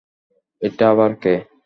এটা আবার কে?